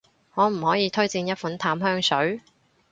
可唔可以推薦一款淡香水？